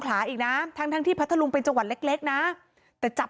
ขลาอีกน่ะทั้งที่พัทธลุงเป็นจังหวันเล็กน่ะแต่จับ